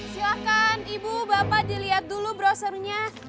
silahkan ibu bapak dilihat dulu browsernya